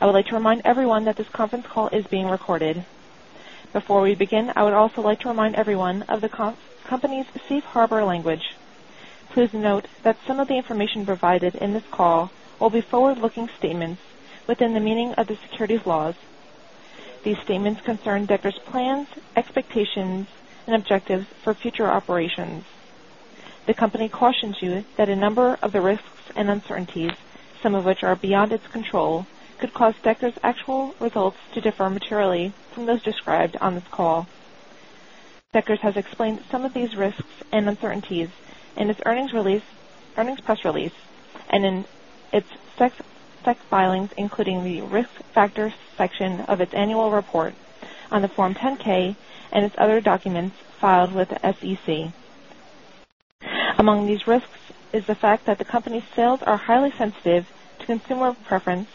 I would like to remind everyone that this conference call is being recorded. Before we begin, I would also like to remind everyone of the company's safe harbor language. Please note that some of the information provided in this call will be forward looking statements within the meaning of the securities laws. These statements concern Decker's plans, expectations and objectives for future operations. The company cautions you that a number of the risks and uncertainties, some which are beyond its control, could cause Deckers' actual results to differ materially from those described on this call. Deckers has explained some of these risks and uncertainties in its earnings press release and in its SEC filings, including the Risk Factors section of its annual report on the Form 10 ks and its other documents filed with the SEC. Among these risks is the fact that the company's sales are highly sensitive to consumer preference,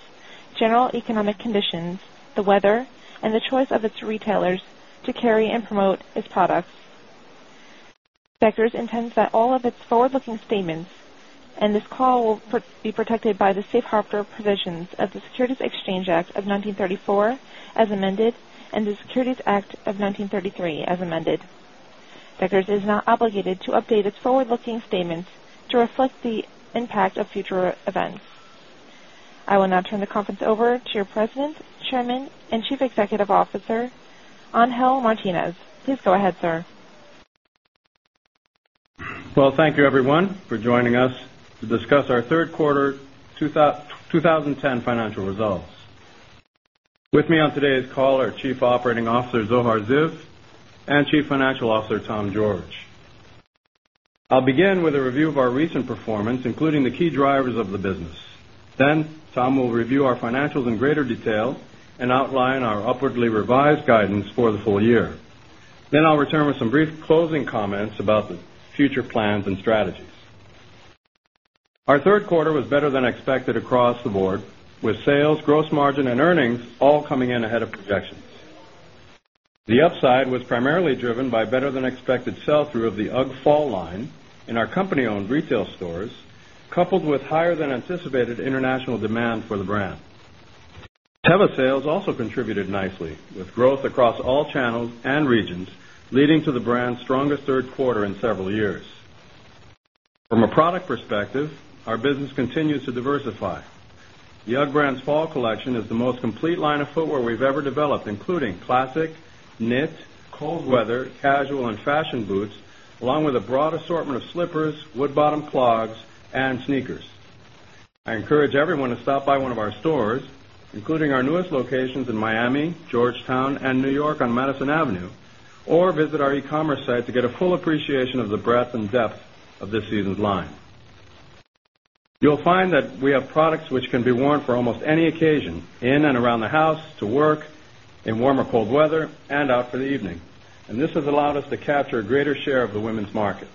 general economic conditions, the weather and the choice of its retailers to carry and promote its products. Zektors intends that all its forward looking statements and this call will be protected by the Safe Harbor provisions of the Securities Exchange Act of 1934 as amended and the Securities Act of 1933 as amended. Deckers is not to update its forward looking statements to reflect the impact of future events. I will now turn the conference over to your President, Chairman and Chief Executive Officer, Angel Martinez. Please go ahead, sir. Well, thank you everyone for joining us to discuss our Q3 2010 financial results. With me on today's call are Chief Operating Officer, Zohar Ziv and Chief Financial Officer, Tom George. I'll begin with a review of our recent performance, including the key drivers of the business. Then Tom will review our financials in greater detail and outline our upwardly revised guidance for the full year. Then I'll return with some brief closing comments about the future plans and strategies. Our Q3 was better than expected across the board with sales, gross margin and earnings all coming in ahead of projections. The upside was primarily driven by better than expected sell through of the UGG fall line in our company owned retail stores coupled with higher than anticipated international demand for the brand. Teva sales also contributed nicely with growth across all and regions leading to the brand's strongest Q3 in several years. From a product perspective, our business continues to diversify. The UGG brand's fall collection is the most complete line of footwear we've ever developed, including classic, knit, cold weather, casual and fashion boots, along with a broad assortment of slippers, wood bottom clogs and sneakers. I encourage everyone to stop by one of our stores, including our newest locations in Miami, Georgetown and New York on Madison Avenue or visit our e commerce site to get a full appreciation of the breadth and depth of this season's line. You'll find that we have products which can be worn for almost any occasion in and around the house, to work, in warmer cold weather and out for the evening and this has allowed us to capture a greater share of the women's market.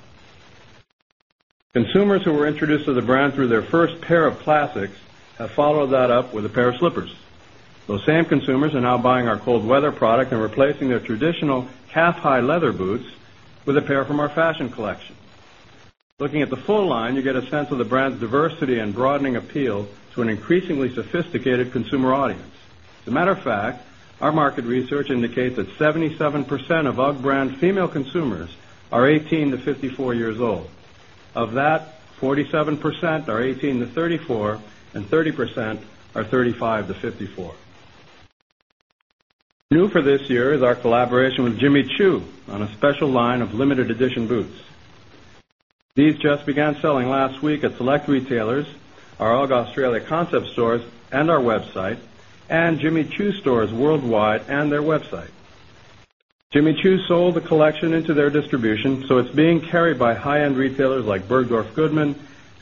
Consumers who were introduced to the brand through their first pair of classics have followed that up with a pair of slippers. Those same consumers are now buying our cold weather product and replacing their traditional calf high leather boots with a pair from our fashion collection. Looking at the full line, you get a sense of the brand's diversity and broadening appeal to an increasingly sophisticated consumer audience. As a matter of fact, our market research indicates that 77% of UGG brand female consumers are 18 to 54 years old. Of that, 47% are 18 to 34 and 30% are 35 to 54. New for this year is our collaboration with Jimmy Choo on a special line of limited edition boots. These just began selling last week at select retailers, our ALGA Australia concept stores and our website and Jimmy Choo stores worldwide and their website. Jimmy Choo sold the collection into their distribution, so it's being carried by high end retailers like Bergdorf Goodman,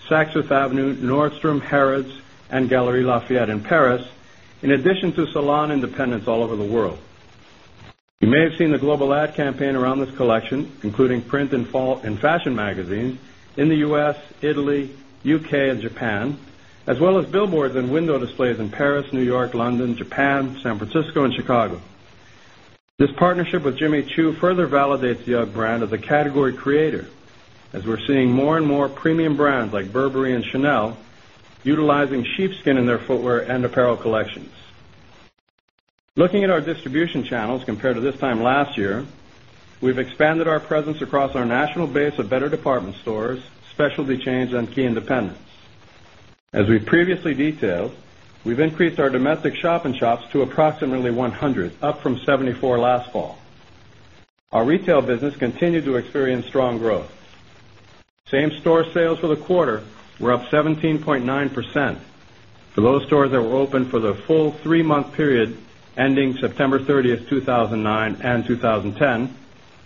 Saks Fifth Avenue, Nordstrom, Harrods and Galeries Lafayette in Paris, in addition to salon independents all over the world. You may have seen the global ad campaign around this collection, including print and fashion magazines in the U. S, S, Italy, U. K, and Japan, as well as billboards and window displays in Paris, New York, London, Japan, San Francisco, and Chicago. This partnership with Jimmy Choo further validates the UGG brand as a category creator as we're seeing more and more premium brands like Burberry and Chanel utilizing sheepskin in their footwear and apparel collections. Looking at our distribution channels compared to this time last year, we've expanded our presence across our national of better department stores, specialty chains and key independents. As we previously detailed, we've increased our domestic shop in shops to approximately 100, up from 74 last fall. Our retail business continued to experience strong growth. Same store sales for the quarter were up 17.9% for those stores that were open for the full 3 month period ending September 30, 2,009 2010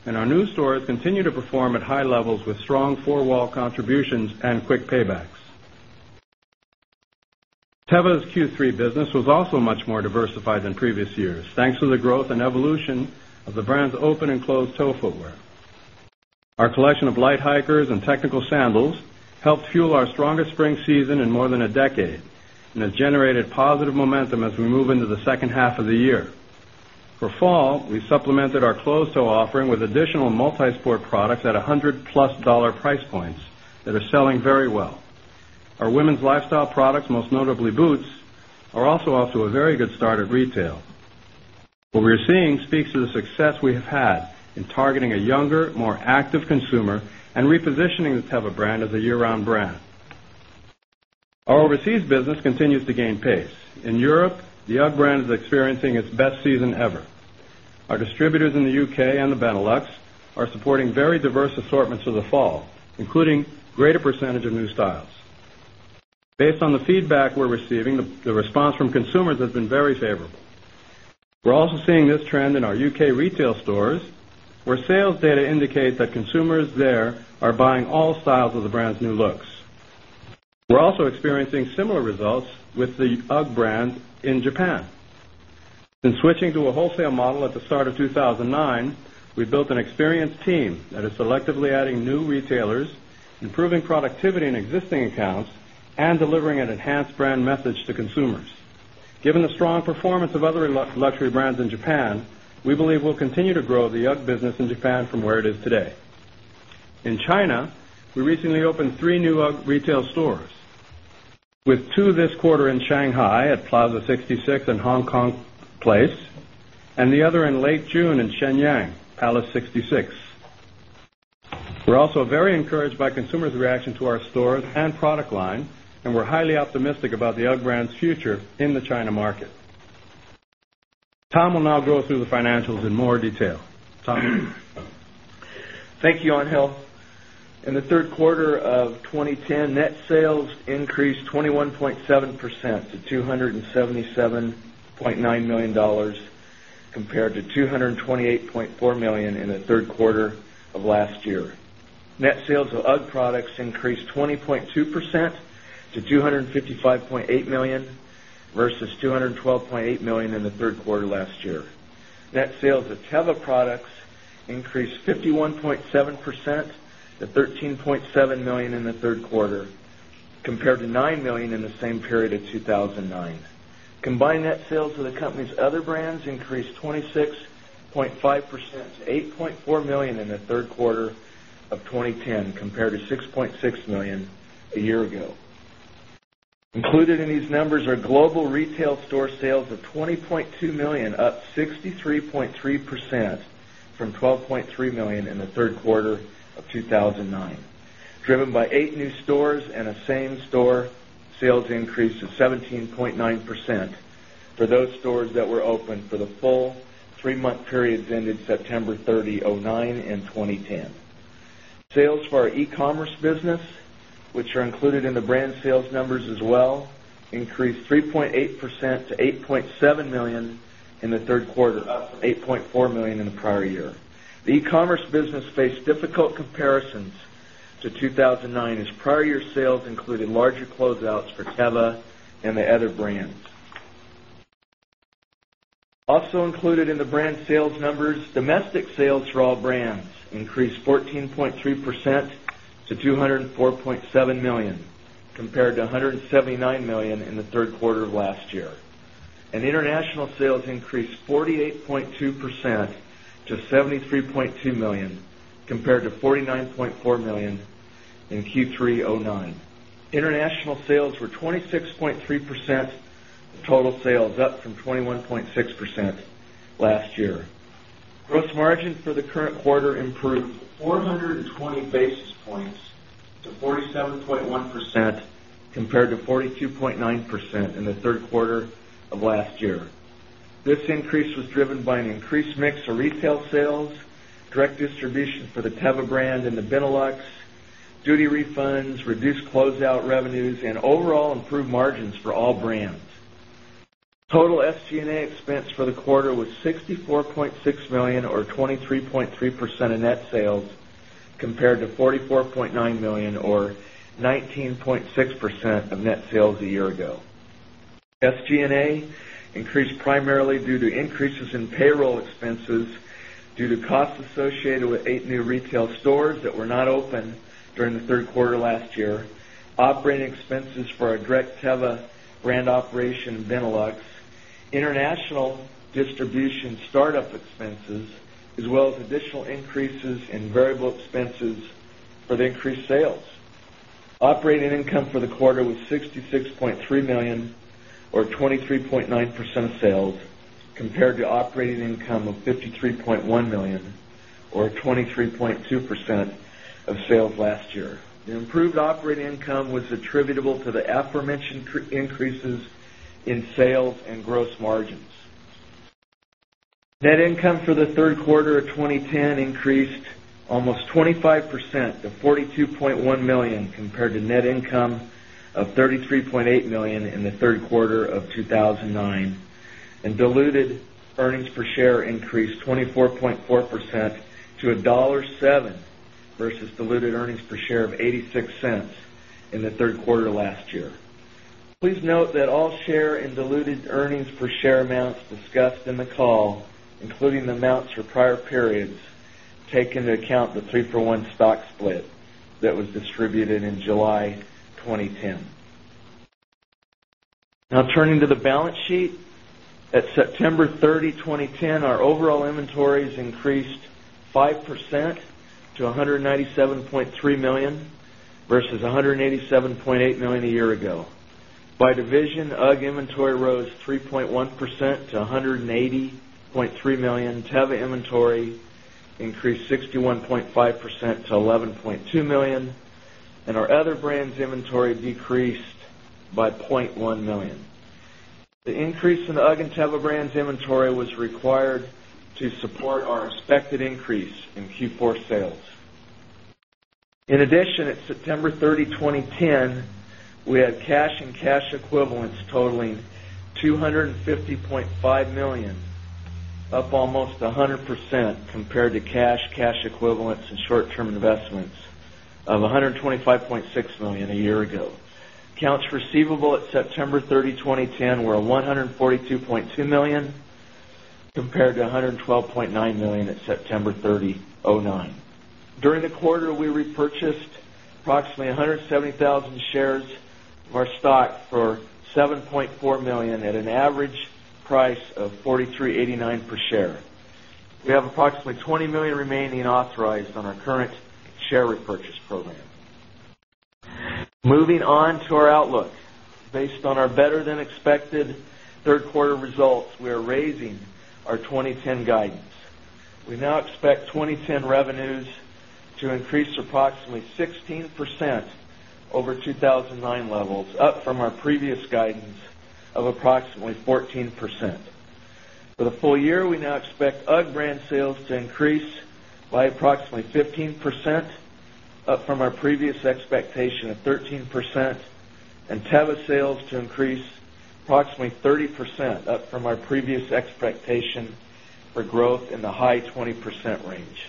and our new stores continue to perform at high levels with strong four wall contributions and quick paybacks. Teva's Q3 business was also much more diversified than previous years, thanks to the growth and evolution of the brand's open and closed toe footwear. Our collection of light hikers and technical sandals helped fuel our strongest spring season in more than a decade and has generated positive momentum as we move into the second half of the year. For fall, we supplemented our closed toe offering with additional multi sport products at 100 plus dollar price points that are selling very well. Our women's lifestyle products, most notably boots, are also off to a very good start at retail. What we are seeing speaks to the success we have had in targeting a younger, more active consumer and repositioning the Teva brand as a year round brand. Our overseas business continues to gain pace. In Europe, the UGG brand is experiencing its best season ever. Our distributors in the UK and the Benelux are supporting very diverse assortments for the fall, including greater percentage of new styles. Based on the feedback we're receiving, the response from consumers has been very favorable. We're also seeing this trend in our UK retail stores where sales data indicates that consumers there are buying all styles of the brand's new looks. We're also experiencing similar results with the UGG brand in Japan. In switching to a wholesale model at the start of 2,009, we've built an experienced team that is selectively adding new retailers, improving productivity in existing accounts, and delivering an enhanced brand message to consumers. Given the strong performance of an enhanced brand message to consumers. Given the strong performance of other luxury brands in Japan, we believe we'll continue to grow the UGG business in Japan from where it is today. In China, we recently opened 3 new UGG retail stores, with 2 this quarter in Shanghai at Plaza 66 in Hong Kong Place and the other in late June in Shenyang, Palace 66. We're also very encouraged by consumers' reaction to our stores and product line and we're highly optimistic about the UGG brand's future in the China market. Tom will now go through the financials in more detail. Tom? Thank you, Angel. In the Q3 of 2010, net sales increased 21.7 percent to $277,900,000 compared to $228,400,000 in the Q3 of last year. Net sales of UGG products increased 20.2 percent to $255,800,000 versus $212,800,000 in the Q3 last year. Net sales of Teva products increased 51.7 percent to 13.7 $1,000,000 in the Q3 compared to $9,000,000 in the same period of 2,009. Combined net sales of the company's other brands increased 26.5 percent to $8,400,000 in the Q3 of 2010 compared to $6,600,000 a year ago. Included in these numbers are global retail store sales of $20,200,000 up 63.3 percent from $12,300,000 in the Q3 of 2009 driven by 8 new stores and a same store sales increase of 17.9 percent for those stores that were open for the full 3 month periods ended September 30,009 2010. Sales for our e commerce business which are included in the brand sales numbers as well increased 3.8 percent to $8,700,000 in the Q3 up $8,400,000 in the prior year. The e commerce business faced difficult comparisons to 2,009 as prior year sales included larger closeouts for Teva and the other brands. Also included in the brand sales numbers, domestic sales for all brands increased 14.3 percent to $204,700,000 compared to $179,000,000 in the Q3 of last year. And international sales increased 48.2% to $73,200,000 compared to $49,400,000 in Q3, 'nine. International sales were 26.3 percent of total sales up from 21.6 last year. Gross margin for the current quarter improved 420 basis points to 47.1% compared to 42.9% in the Q3 of last year. This increase was driven by an increased mix of retail sales, direct distribution for the Teva brand and the Benelux, duty refunds, reduced closeout revenues and overall improved margins for all brands. Total SG and A expense for the quarter was $64,600,000 or 23.3 percent of net sales compared to $44,900,000 or 19.6 percent of net sales a year ago. SG and A increased primarily due to increases in payroll expenses due to costs associated with 8 new retail stores that were not open during the Q3 last year, operating expenses for our Direct Teva brand operation, Benelux, international distribution startup expenses as well as additional increases in variable expenses for the increased sales. Operating income for the quarter was $66,300,000 or 23.9 percent of sales compared to operating income of $53,100,000 or 23.2 percent of sales percent of sales last year. The improved operating income was attributable to the aforementioned increases in sales and gross margins. Net income for the Q3 of 2010 increased almost percent to $42,100,000 compared to net income of $33,800,000 in the Q3 of 2009 and diluted earnings per share increased 24.4 percent to $1.07 versus diluted earnings per share of $0.86 in the Q3 last year. Please note that all share and diluted earnings per share amounts discussed in the call including the amounts for prior periods take into account the 3 for 1 stock split that was distributed in July 2010. Now turning to the balance sheet, at September 30, 2010 our overall inventories increased 5 percent to $197,300,000 versus $187,800,000 a year ago. By division UGG inventory rose 3.1 percent to 180,300,000 Teva inventory increased 61.5 percent to 11,200,000 and our other brands inventory decreased by 100,000 The increase in the UGG and Teva brands inventory was required to support our expected increase in Q4 sales. In addition, at September 30, 2010, we had cash and cash equivalents totaling 250 $500,000 up almost 100 percent compared to cash, cash equivalents and short term investments of $125,600,000 a year ago. Accounts receivable at September 30, 2010 were 142,200,000 dollars compared to $112,900,000 at September 30, 'nine. During the quarter, we repurchased approximately 170,000 shares of our stock for 7.4 $1,000,000 at an average price of $43.89 per share. We have approximately $20,000,000 remaining authorized on our current share repurchase program. Moving on to our outlook. Based on our better than expected Q3 results, we are raising our 20.10 guidance. We now expect 20.10 revenues to increase approximately 16% over 2,009 levels, up from our previous guidance of approximately 14%. Teva sales to increase approximately 30%, up from our previous expectation of 13% and Teva sales to increase approximately 30% up from our previous expectation for growth in the high 20% range.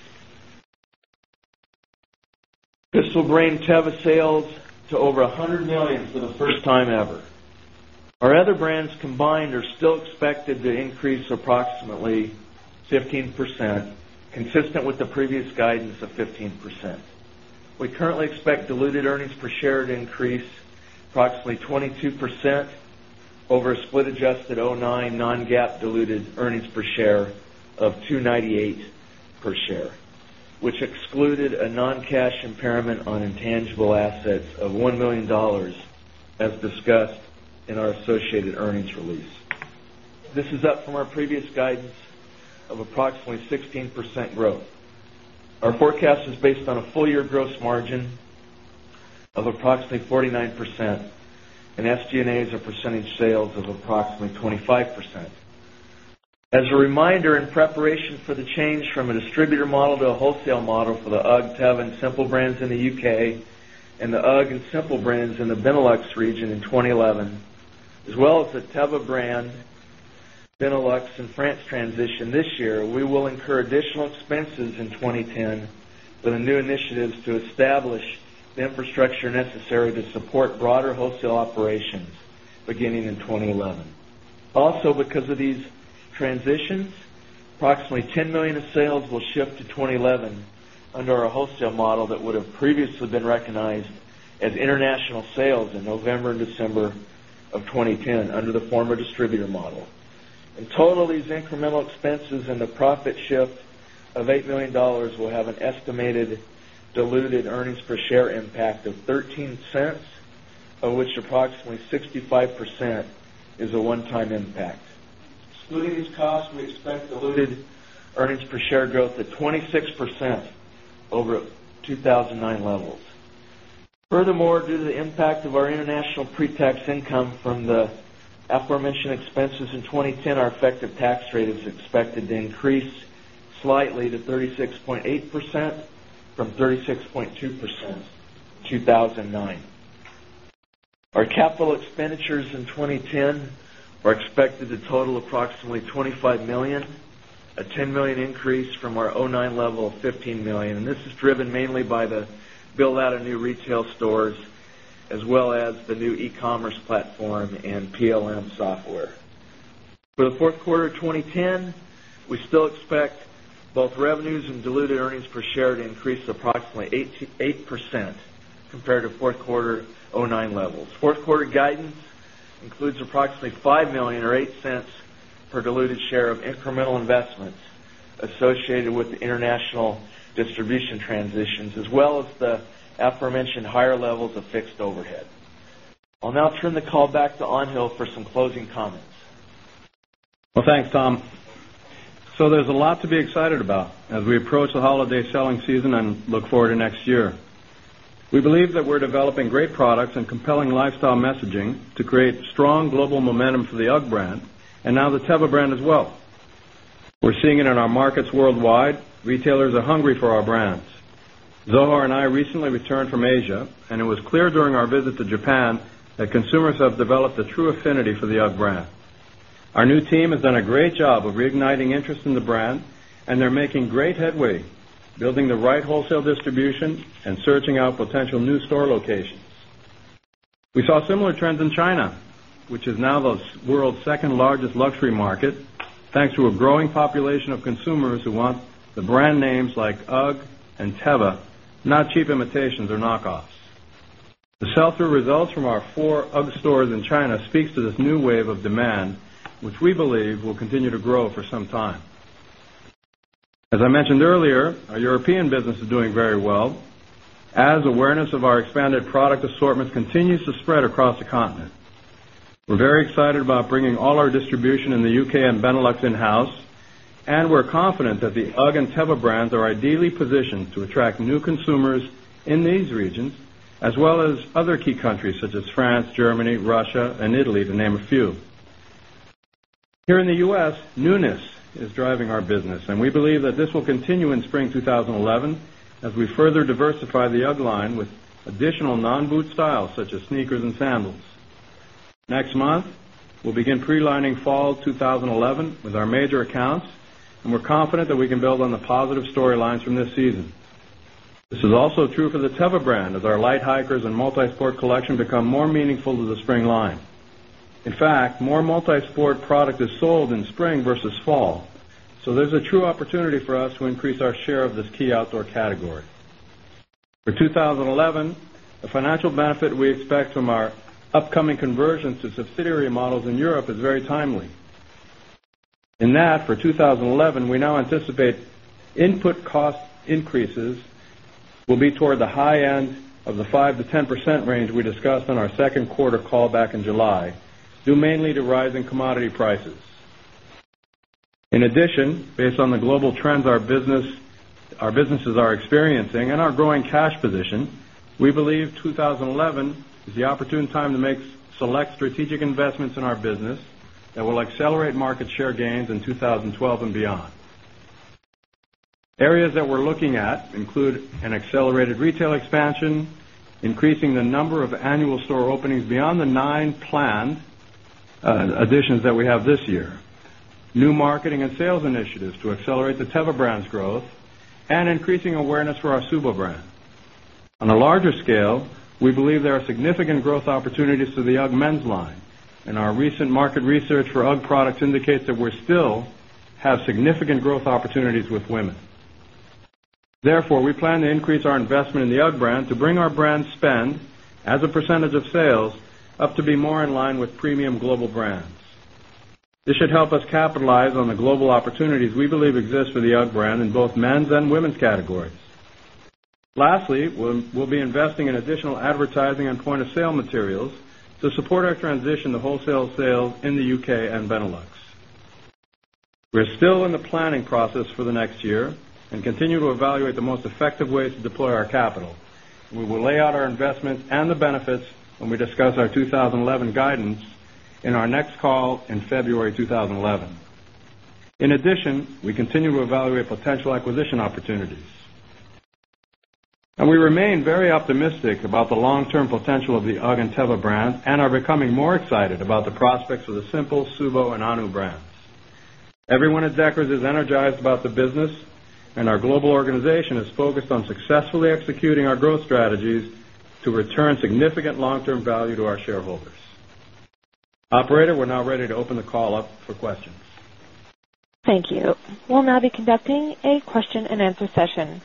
Pistol grain percent. We currently expect diluted earnings per share to increase approximately 22% over a split adjusted $9 non GAAP diluted earnings per share of $2.98 per share, which excluded a non cash impairment on intangible assets of $1,000,000 as discussed in our associated earnings release. This is up from our previous guidance of approximately 16% growth. Our forecast is based on a full year gross margin of approximately 49% and SG and A as a percentage sales of approximately 25%. As a reminder, in preparation for the change from a distributor model to a wholesale model for the UGG, Teva and Simple Brands in the UK and the UGG and Simple Brands in the Benelux region in 2011 as well as the Teva brand, Benelux in France transition this year, we will incur additional expenses in 2010 with the new initiatives to establish the infrastructure necessary to support broader wholesale operations beginning in 2011. Also because of these transitions approximately $1,000,000 of sales will shift to 20 11 under our wholesale model that would have previously been recognized as international sales in November December of 2010 under the former distributor model. In total, these incremental expenses and the profit shift of $1,000,000 will have an estimated diluted earnings per share impact of $0.13 of which approximately 65% is a one time impact. Excluding these costs, we expect diluted earnings per share growth to 26% over 2,009 levels. Furthermore, due to the impact of our international pre tax income from the aforementioned expenses in 2010, our effective tax rate is expected to increase slightly to 36.8% from 36.2 percent in 2009. Our capital expenditures in 2010 are expected to total approximately 25 $1,000,000 a $10,000,000 increase from our 2,009 level of $15,000,000 and this is driven mainly by the build out of new retail stores as well as the new e commerce platform and PLM software. The Q4 of 2010, we still expect both revenues and diluted earnings per share to increase approximately 8% compared to Q4 'nine levels. 4th quarter guidance includes approximately $5,000,000 or $0.08 per diluted share of incremental investments associated with the international distribution transitions as well as the aforementioned higher levels of fixed overhead. I'll now turn the call back to Angel for some closing comments. Well, thanks, Tom. So, there's a lot to be excited about as we approach the holiday selling season and look forward to next year. We believe that we're developing great products and compelling lifestyle messaging to create strong global momentum for the UGG brand and now the Teva brand as well. We're seeing it in our markets worldwide. Retailers are hungry for our brands. Zohar and I recently returned from Asia and it was clear during our visit to Japan that consumers have developed a true affinity for the UGG brand. Our new team has done a great job of reigniting interest in the brand and they're making great headway building the right wholesale distribution and searching out potential new store locations. We saw similar trends in China, which is now the world's 2nd largest luxury market, thanks to a growing population of consumers who want the brand names like UGG and Teva, not cheap imitations or knockoffs. The sell through results from our 4 UGG stores in China speaks to this new wave of demand, which we believe will continue to grow for some time. As I mentioned earlier, our European business is doing very well as awareness of our expanded product assortment continues to spread across the continent. We're very excited about bringing all our distribution in the UK and Benelux in house and we're confident that the UGG and Teva brands are ideally positioned to attract new consumers in these regions as well as other key countries such as France, Germany, Russia and Italy to name a few. Here in the U. S, newness is driving our business and we believe that this will continue in spring 2011 as we further diversify the UGG line with additional non boot styles such as sneakers and sandals. Next month, we'll begin pre lining fall 2011 with our major accounts and we're confident that we can build on the positive storylines from this season. This is also true for the Teva brand as our light hikers and multi sport collection become more meaningful to the spring line. In fact, more multi sport product is sold in spring versus fall. So, there's a true opportunity for us to increase our share of this key outdoor category. For 2011, the financial benefit we expect from our upcoming conversions to subsidiary models in Europe is very timely. In that, for 2011, we now anticipate input cost increases will be toward the high end of the 5% to 10% range we discussed on our Q2 call back in July, due mainly to rising commodity prices. In addition, based on the global trends our businesses are experiencing and our growing cash position, we believe 2011 is the opportune time to make select strategic investments in our business that will accelerate market share gains in 2012 and beyond. Areas that we're looking at include an accelerated retail expansion, increasing the number of annual store openings beyond the nine planned additions that we have this year, new marketing and sales initiatives to accelerate the Teva brand's growth and increasing awareness for our Subo brand. On a larger scale, we believe there are significant growth opportunities to the UGG men's line and our recent market research for UGG products indicates that we still have significant growth opportunities with women. Therefore, we plan to increase our investment in the UGG brand to bring our brand spend as a percentage of sales up to be more in line with premium global brands. This should help us capitalize on the global opportunities we believe exist for the UGG brand in both men's and women's categories. Lastly, we'll be investing in additional advertising and point of sale materials to support our transition to wholesale sales in the UK and Benelux. We're still in the planning process for the next year and continue to evaluate the most effective ways to deploy our capital. We will lay out our investments and the benefits when we discuss our 2011 guidance in our next call in February 2011. In addition, we continue to evaluate potential acquisition opportunities. And we remain very optimistic about the long term potential of the UGG and Teva brands and are becoming more excited about the prospects for the simple, Subo and Anu brands. Everyone at Deckers is energized about the business and our global organization is focused on successfully executing our growth strategies to return significant long term value to our shareholders. Operator, we're now ready to open the call up for questions. Thank you. We'll now be conducting a question and answer session.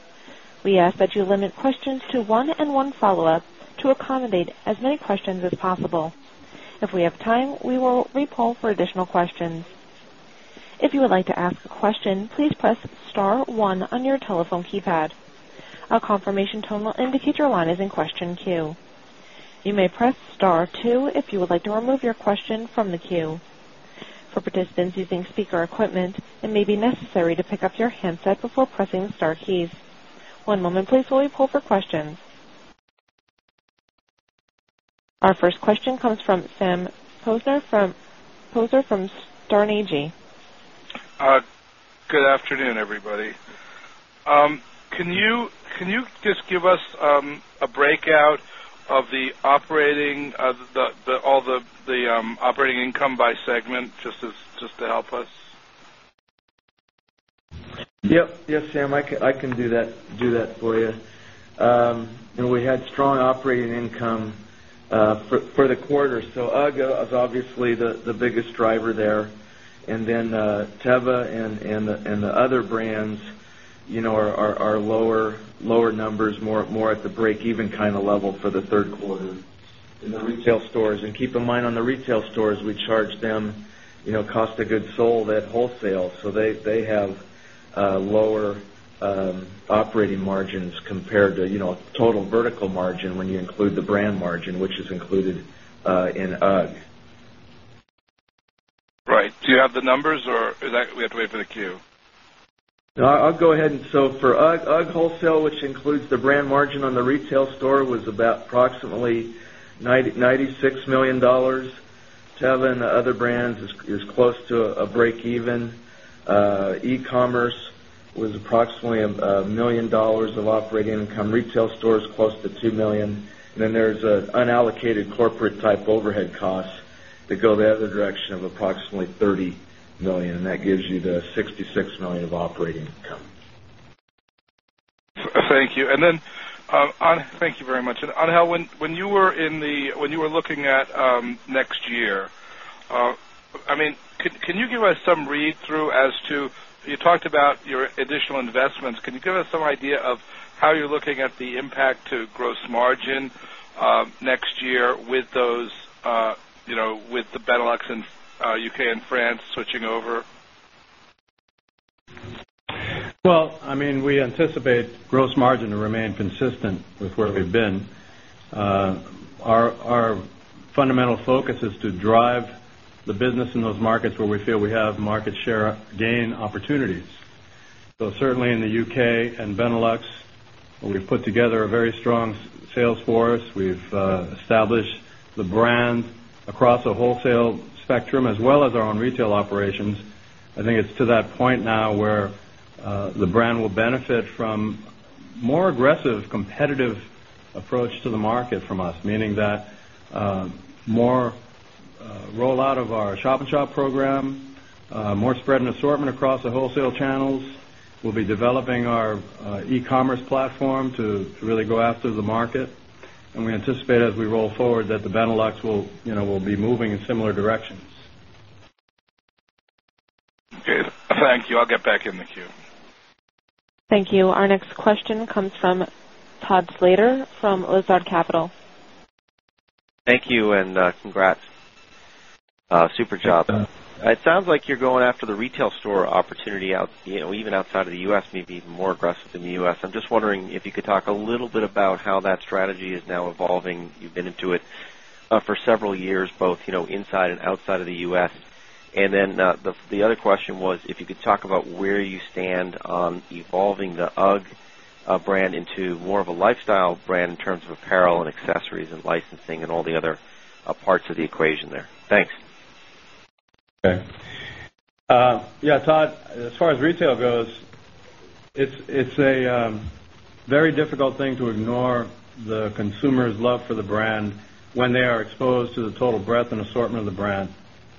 We ask that you limit questions to 1 and one follow-up to accommodate as many questions as possible. If we have time, we will repull for Our first question comes from Sam Poser from Storn AG. Good afternoon, everybody. Can you just give us a breakout of the operating all the operating income by segment just to help us? Yes. Yes, Sam, I can do that for you. We had strong operating income for the quarter. So UGG is obviously the biggest driver there. And then Teva and the other brands are lower numbers more at the breakeven of level for the Q3 in the retail stores. And keep in mind on the retail stores, we charge them cost of goods sold at wholesale. So they have lower operating margins compared to total vertical margin when you include the brand margin, which is included in UGG. Right. Do you have the numbers or is that we have to wait for the queue? No, I'll go ahead. And so for UGG wholesale, which includes the the brand margin on the retail store was about approximately $96,000,000 Teva and other brands is close to a breakeven. E commerce was approximately $1,000,000 of operating income. Retail stores close to $2,000,000 Then there's an unallocated corporate type overhead costs that go the other direction of approximately $30,000,000 and that gives you the $66,000,000 of operating income. Thank you. And then thank you very much. And Angel, when you were in the when you were looking at next year, I mean, can you give us some read through as to you talked about your additional investments. Can you give us some idea of how you're looking at the impact to gross margin next year with those with the Benelux in U. K. And France switching over? Well, I mean, we anticipate gross margin to remain consistent with where we've been. Our fundamental focus is to drive the business in those markets where we feel we have market share gain opportunities. So, certainly in the UK and Benelux, we've put together a very strong sales force. We've established the brand across the wholesale spectrum as well as our own retail across the wholesale spectrum as well as our own retail operations. I think it's to that point now where the brand will benefit from more aggressive competitive approach to the market from us, meaning that more rollout of our shop and shop program, spread and assortment across the wholesale channels. We'll be developing our e commerce platform to really go after the market and we anticipate as we roll forward that the Benelux will be moving in similar directions. Okay. Thank you. I'll get back in the queue. Thank you. Our next question comes from Todd Slater from Lazard Capital. Thank you and congrats. Super job. It sounds like you're going after the retail store opportunity even outside of the U. S. Maybe even more aggressive than the U. S. I'm just wondering if you could talk a little bit about how that strategy is now evolving. You've been into it for several years, both inside and outside of the U. S. And then the other question was, if you could talk about where you stand on evolving the UGG brand into more of a lifestyle brand in terms of apparel and accessories and licensing and all the other parts of the equation there? Thanks. Okay. Yes, Todd, as far as retail goes, it's a very difficult thing to ignore the consumers' love for the brand when they are exposed to the total breadth and assortment of the brand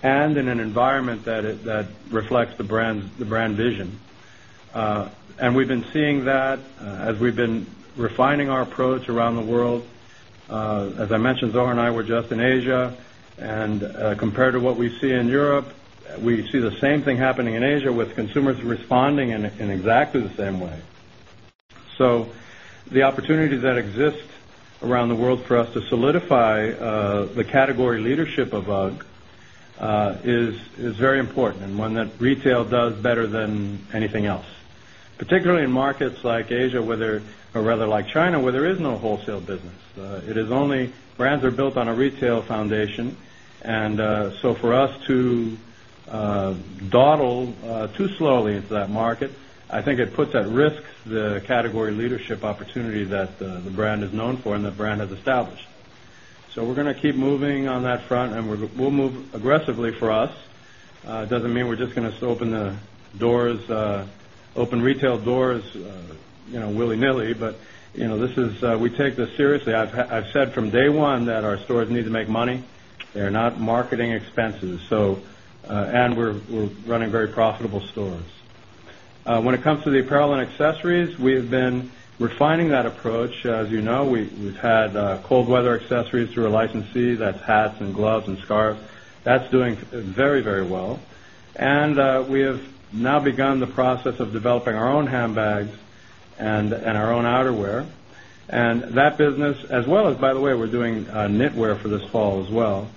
and in an environment that reflects the brand vision. And we've been seeing that as we've been refining our approach around the world. As I mentioned, Zohr and I were just in Asia and compared to what we see in Europe, we see the same thing happening in Asia with consumers responding in exactly the same way. So, the opportunities that exist around the world for us to solidify the category leadership of UGG is very important and one that retail does better than anything else, particularly in markets like Asia, whether or rather like China, where there is no wholesale business. It is only brands are built on a retail foundation. And so for us to dawdle too slowly into that market, I think it puts at risk the category leadership opportunity that the brand is known for and the brand has established. So we're going to keep moving on that front and we will move aggressively for us. It doesn't mean we're just going to open the doors, open retail doors willy nilly, but this is we take this seriously. I've said from day 1 that our stores need to make money. They're not marketing expenses. So and we're running very profitable stores. When it comes to the apparel and accessories, we're very profitable stores. When it comes to the apparel and accessories, we have been refining that approach. As you know, we've had cold weather accessories through a licensee that's hats and gloves and scarves. That's doing very, very well. And we have now begun the process of developing our own handbags and our own outerwear and that business as well as by the way we're doing knitwear for this fall as well.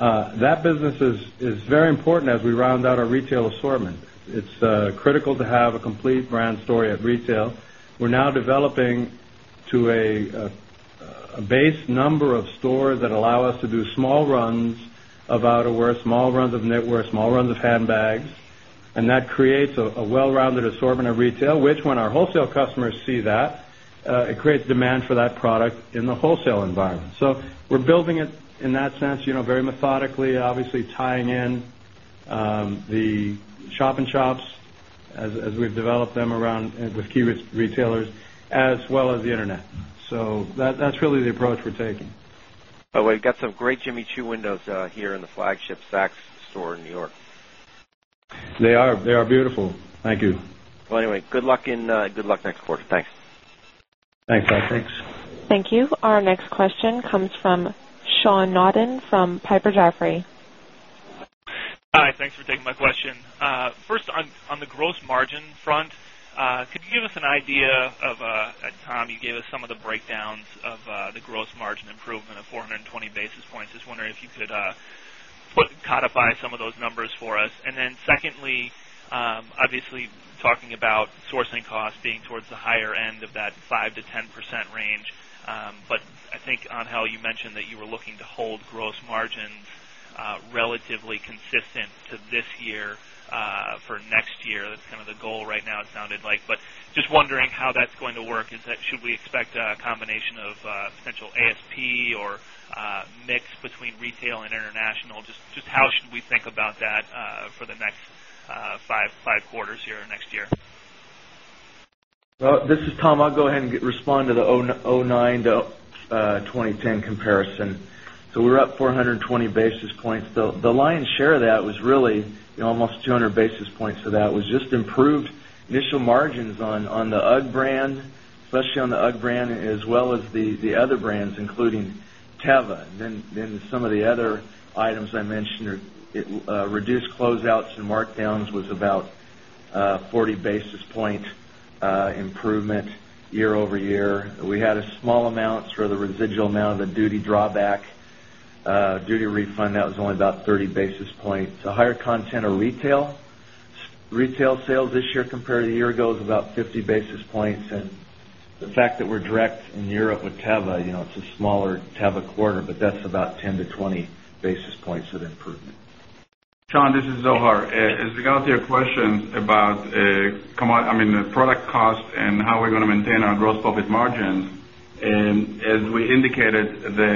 That business is very important as we round out our retail assortment. It's critical to have a complete brand story at retail. We're now developing to a base number of stores that allow us to do small runs of outerwear, small runs of knitwear, small runs of handbags and that creates a well rounded assortment of retail, which when our wholesale customers see that, it creates demand for that product in the wholesale environment. So, we're building it in that sense very methodically, obviously tying in the shop in shops as we've developed them around with key retailers as well as the Internet. So that's really the approach we're taking. We've got some great Jimmy Choo windows here in the flagship Saks store in New York. They are beautiful. Thank you. Well, anyway, good luck next quarter. Thanks. Thanks, Scott. Thanks. Thank you. Our next question comes from Sean Naughton from Piper Jaffray. Hi. Thanks for taking my question. First, on the gross margin front, could you give us an idea of Tom, you gave us some of the breakdowns of the gross margin improvement of 4 20 basis points. Just wondering if you could codify some of those numbers for us? And then secondly, obviously, talking about sourcing costs being towards the higher end of that 5% to 10% range. But I think, Angel, you mentioned that you were looking to hold gross margins relatively consistent to this year for next year. That's kind of the goal right now, it sounded like. But just wondering how that's going to work. Should we expect a combination of potential ASP or mix between retail and international? Just how should we think about that for the next 5 quarters here next year? This is Tom. I'll go ahead and respond to the 'nine to 'twenty the 2009 to 2010 comparison. So we were up 4 20 basis points. The lion's share of that was really almost 200 basis points. So that was just improved initial margins on the UGG brand, especially on the UGG brand as well as the other brands including Teva. Then some of the other items I mentioned, reduced closeouts and markdowns was about 40 basis point improvement year over year. We had a small amount for the residual amount of duty drawback, duty refund that was only about 30 basis points. So higher content of retail sales this year compared to a year ago is about 50 basis points. And the fact that we're direct in Europe with Teva, it's a smaller Teva quarter, but that's about 10 basis points to 20 basis points of improvement. Sean, this is Zohar. As regards to your question about I mean the product cost and how we're going to maintain our gross profit margins, as we indicated, the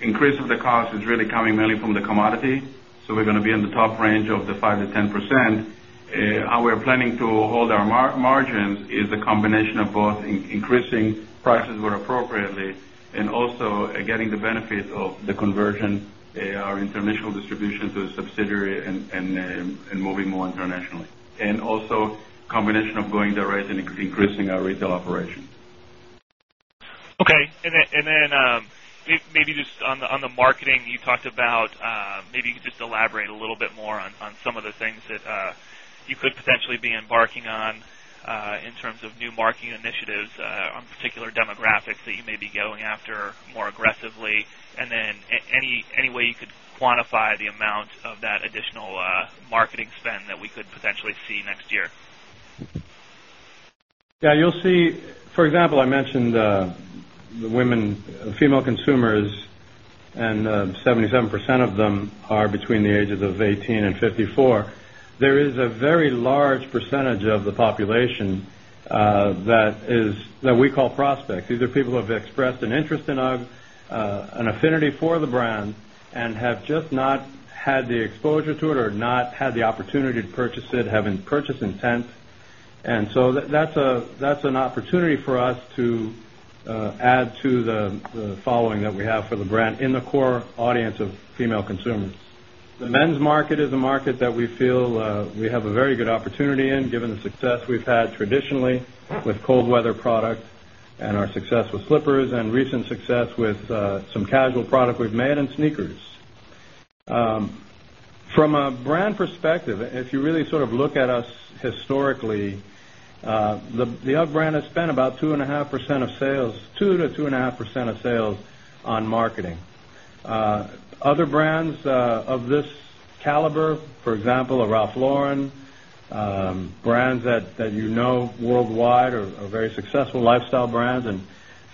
increase of the cost is really coming mainly from the commodity. So we're going to be in the top range of the 5% to 10%. How we're planning to hold our margins is a combination of both increasing prices more appropriately and also getting the benefit of the conversion, our international distribution to a subsidiary and moving more internationally and also combination of going direct and increasing our retail operations. Okay. And then maybe just on the marketing, you talked about maybe you could just elaborate a little bit more on some of the things that you could potentially be embarking on in terms of new marketing initiatives on particular demographics that you may be going after more aggressively? And then any way you could quantify the amount of that additional marketing spend that we could potentially see next year? Yes, you'll see, for example, I mentioned the women, female consumers and 77% of them are between the ages of 18 54. There is a very large percentage of the population that is that we call prospects. These are people who have expressed an interest in UGG, an affinity for the brand and have just not had the exposure to it or not had the opportunity to purchase it, having purchased intent. And so that's an opportunity for us to add to the following that we have for the brand in the core audience of female consumers. The men's market is a market that we feel we have a very good opportunity in given the success we've had traditionally with cold weather product and our success with slippers and recent success with some casual product we've made and sneakers. From a brand perspective, if you really sort of look at us historically, the UGG brand has spent about 2.5% of sales 2% to 2.5% of sales on marketing. Other brands of this caliber, for example, Ralph Lauren, brands that you know worldwide are very successful lifestyle brands and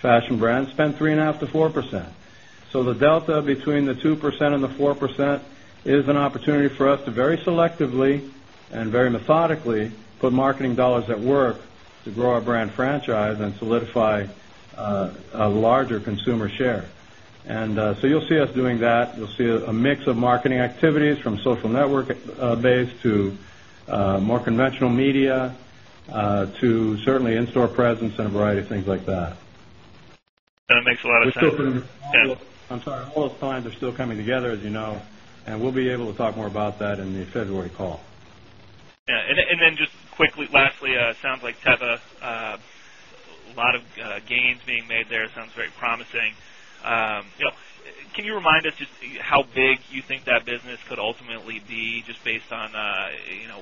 fashion brands spend 3.5% to 4%. So the delta between the 2% and the 4% is an opportunity for us to very selectively and very methodically put marketing dollars at work to grow our brand franchise and solidify a larger consumer share. And you'll see us doing that. You'll see a mix of marketing activities from social network based to more conventional media to certainly in store presence and a variety of things like that. That makes a lot of sense. I'm sorry, all those times are still coming together as you know and we'll be able to talk more about that in the February call. And then just quickly, lastly, it sounds like Teva, a lot of gains being made there, it sounds very promising. Can you remind us just how big you think that business could ultimately be just based on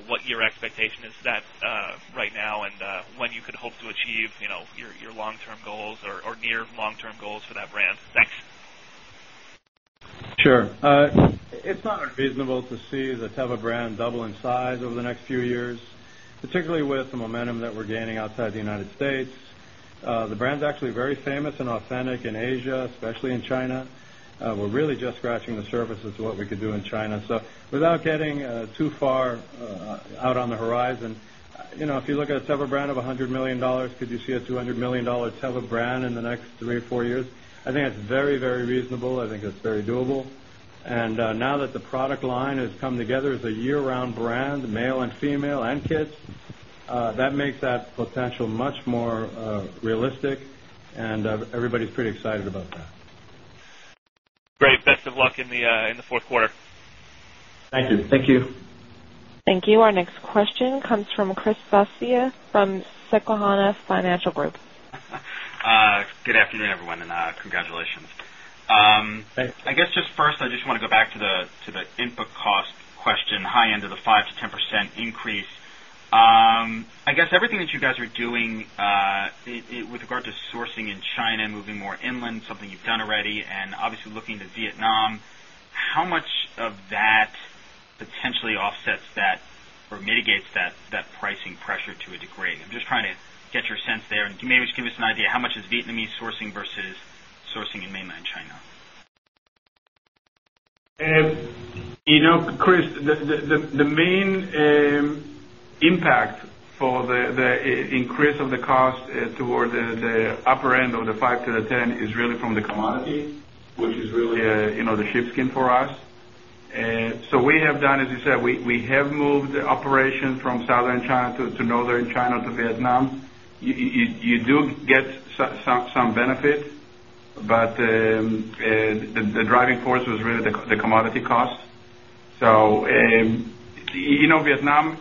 what your expectation is to that right now and when you could hope to achieve your long term goals or near long term goals for that brand? Thanks. Sure. It's not unreasonable to see the Teva brand double in size over the next few years, particularly with the momentum that we're gaining outside the United States. The brand is actually very famous and authentic in Asia, especially in China. We're really just scratching the surface as to what we could do in China. So without getting too far out on the horizon, if you look at a Seva brand of $100,000,000 could you see a $200,000,000 Seva brand in the next 3 or 4 years? I think it's very, very reasonable. I think it's very doable. And now that the product line has come together as a year round brand, male and female and kids, that makes that potential much more realistic and everybody is pretty excited about that. Great. Best of luck in the Q4. Thank you. Thank you. Thank you. Our next question comes from Chris Svezia from Susquehanna Financial Group. Good afternoon, everyone, and congratulations. Thanks. I guess just first, I just want to go back to the input cost question, high end of the 5% to 10% increase. I guess everything that you guys are doing with regard to sourcing in China and moving more inland, something you've done already. And obviously looking to Vietnam, how much of that potentially Vietnam, how much of that potentially offsets that or mitigates that pricing pressure to a degree? I'm just trying to get your sense there and maybe just give us an idea how much is Vietnamese sourcing versus sourcing in Mainland China? Chris, the main impact for the increase of the cost toward the upper end of the 5% to the 10% is really from the commodity, which is really the sheepskin for us. So we have done as you said, we have moved the operation from Southern China to Northern China to Vietnam. You do get some benefit, but the driving force was really the commodity costs. So Vietnam,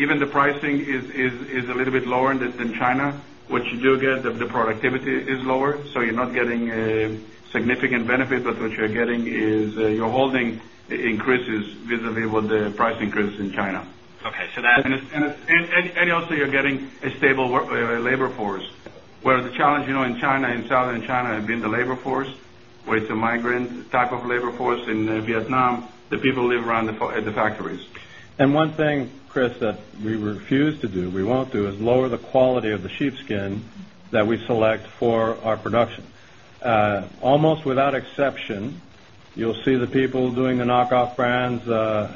even the pricing is a little bit lower than China, what you do get, the productivity is lower. So you're not getting significant benefit, but what you're getting is you're holding increases vis a vis the price increase in China. And also you're getting a stable labor force, whereas the challenge in China, in Southern China have been the labor force where it's a migrant type of labor force in Vietnam, the people live around the factories. And one thing, Chris, that we refuse to do, we won't do is lower the quality of the sheepskin that we select for our production. Almost without exception, you'll see the people doing the knockoff brands and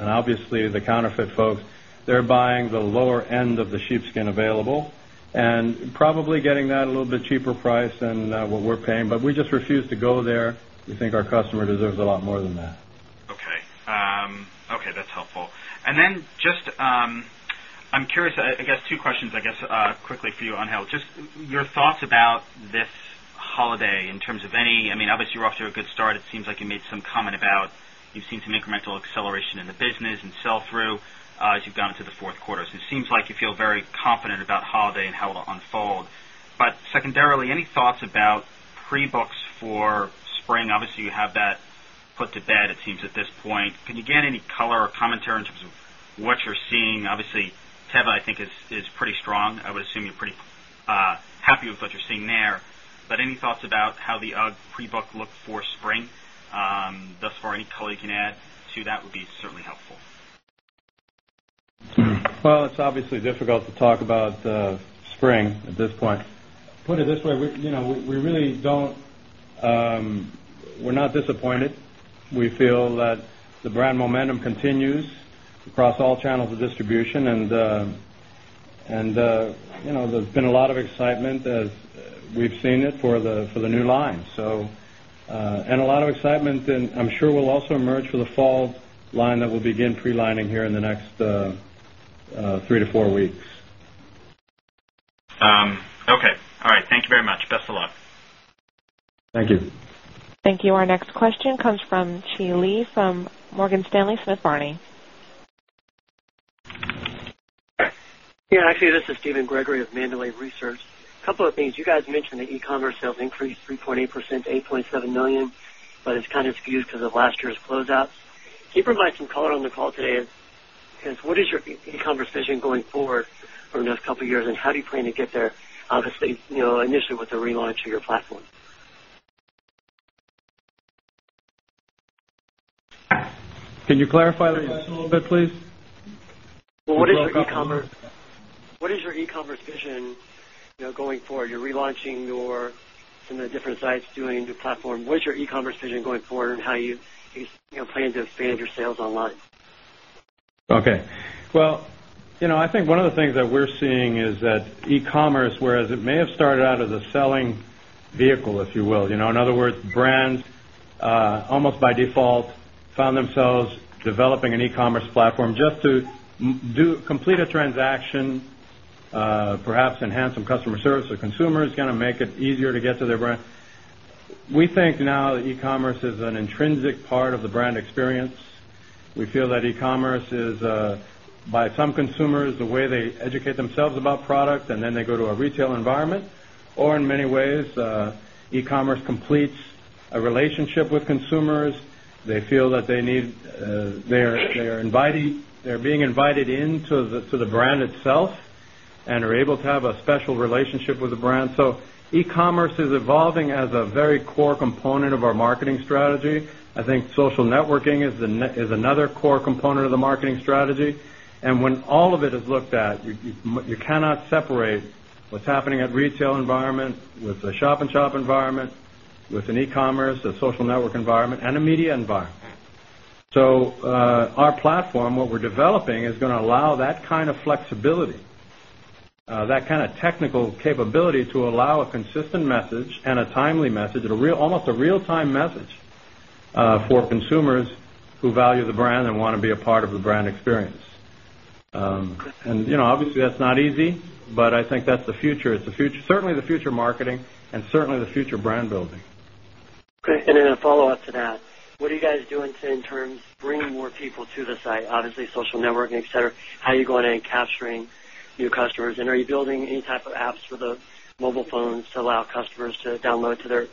obviously the counterfeit folks, they're buying the lower end of the sheepskin available and probably getting that a little bit cheaper price than what we're paying, but we just refuse to go there. We think our customer deserves a lot more than that. Okay. That's helpful. And then just I'm curious, I guess, 2 questions, I guess, quickly for you, Angel. Just your thoughts about this holiday in terms of any I mean, obviously, you're off to a good start. It seems like you made some comment about you've seen some incremental acceleration in the business and sell through as you got into the Q4. So it seems like you feel very confident about holiday and how it will unfold. But secondarily, any thoughts about pre books for spring? Obviously, you have that put to bed, it seems, at this point. Can you get any color or commentary in terms of what you're seeing? Obviously, Teva, I think, is pretty strong. I would assume you're pretty happy with what you're seeing there. But any thoughts about how the UGG pre book look for spring? Thus far, any color you can add to that would be certainly helpful. Well, it's obviously difficult to talk about spring at this point. Put it this way, we really don't we're not disappointed. We feel that the brand momentum continues across all channels of distribution and there's been a lot of excitement as we've seen it for the new line. So and a lot of excitement and I'm sure we'll also emerge for the fall line that begin pre lining here in the next 3 to 4 weeks. Okay. All right. Thank you very much. Best of luck. Thank you. Thank you. Our next question comes from Shi Lee from Morgan Stanley Smith Barney. Yes. Actually, this is Steven Gregory of Mandalay Research. A couple of things. You guys mentioned that e commerce sales increased 3.8 percent to $8,700,000 but it's kind of skewed because of last year's closeouts. Can you provide some color on the call today as what is your conversation going forward for the next couple of years and how do you plan to get there obviously initially with the relaunch of your platform? Can you clarify that a little bit, please? What is your e commerce vision going forward? You're relaunching your some of the different sites doing the platform. What is your e commerce vision going forward? And how you plan to expand your sales online? Okay. Well, I think one of the things that we're seeing is that e commerce, whereas it may have started out as a selling vehicle, if you will, in other words, brands almost by default found themselves developing an e commerce platform just to do complete a transaction, perhaps enhance some customer service, so consumers kind of make it easier to get to their brand. We think now that e commerce is an intrinsic part of the brand experience. We feel that e commerce is by some consumers the way they educate themselves about product and then they go to a retail environment or in many ways e commerce completes a relationship with consumers. They feel that they need they are inviting they are being invited into the brand itself and are able to have a special relationship with the brand. So e commerce is evolving as a very core component of our marketing strategy. I think social networking is another core component of the marketing strategy. And when all of it is looked at, you cannot separate what's happening at retail environment with the shop in shop environment, with an e commerce, a social network environment and a media environment. So our platform, what we're developing is going to allow that kind of flexibility, that kind of technical capability to allow a consistent message and a timely message, almost a real time message for consumers who value the brand and want to be a part of the brand experience. And obviously, that's not easy, but I think that's the future. It's the future certainly the future marketing and certainly the future brand building. Okay. And then a follow-up to that. What are you guys doing in terms of bringing more people to the site, obviously social networking, etcetera? How are you going to capturing new customers? And are you building any type of apps for the mobile phones to allow customers to download to their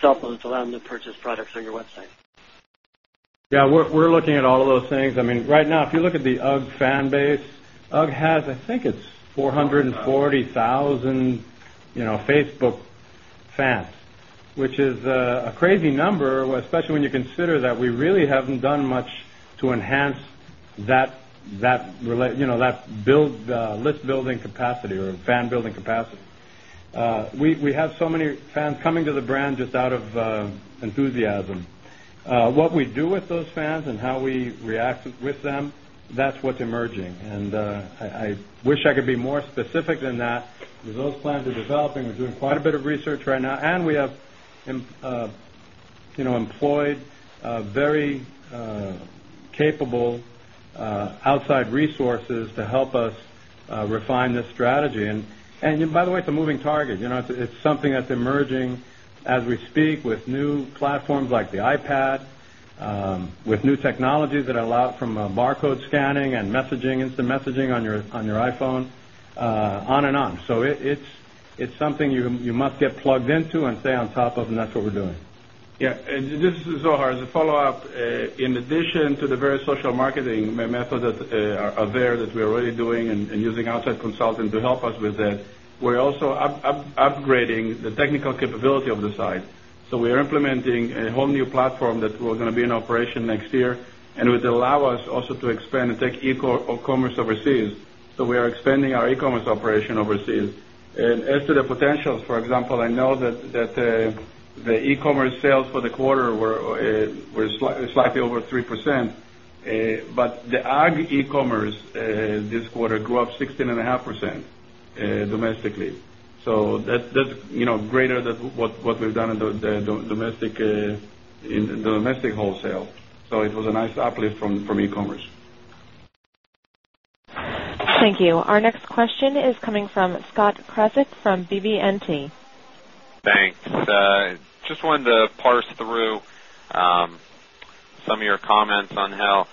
cell phones, allow them to purchase products on your website? Yes, we're looking at all of those things. I mean, right now, if you look at the UGG fan base, UGG has, I think it's 440,000 Facebook fans, which is a crazy number, especially when you consider that we really haven't done much to enhance that list building capacity or fan building capacity. We have so many fans coming to the brand just out of enthusiasm. What we do with those fans and how we react with them, that's what's emerging. And I wish I could be more specific than that, because those plans are developing, we're doing quite bit of research right now and we have employed very capable outside resources to help us refine this strategy and by the way, it's a moving target. It's something that's emerging as we speak with new platforms like the iPad, with new technologies that allow from barcode scanning and messaging, instant messaging on your iPhone, on and on. So it's something you must get plugged into and stay on top of and that's what we're doing. Yes. And this is Zohar. As a follow-up, in addition to the various social marketing methods that are there that we're already doing and using outside consulting to help us with that, we're also upgrading the technical capability of the site. So we are implementing a whole new platform that we're going to be in operation next year and would allow us also to expand and take e commerce overseas. So we are expanding our e commerce operation overseas. And as to the potentials, for example, I know that the e commerce sales for the quarter were slightly over 3%, but the ag e commerce this quarter grew up 16.5% domestically. So that's greater than what we've done in the domestic wholesale. So it was a nice uplift from e commerce. Thank you. Our next question is coming from Scott Krasit from BB and T. Thanks. Just wanted to parse through some of your comments on how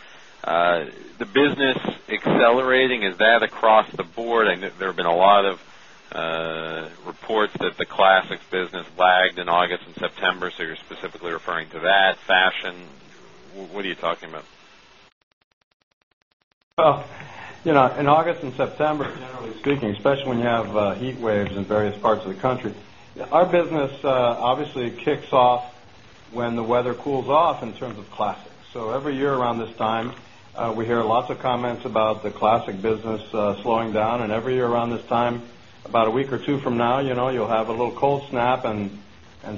the business accelerating is that across the board and there have been a lot of reports that the Classics business lagged in August September, so you are specifically referring to that fashion, what are you talking about? In August September generally speaking, especially when you have heat waves in various parts of the country, our business obviously kicks off when the weather cools off in terms of Classic. So every year around this time, we hear lots of comments about the Classic business slowing down and every year around this time, about a week or 2 from now, you'll have a little cold snap and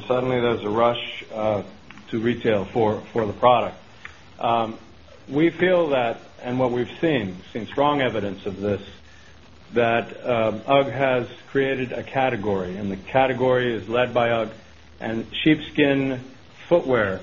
suddenly there's a rush to retail for the product. We feel that and what we've seen, seen strong evidence of this that UGG has created a category and the category is led by UGG and love affair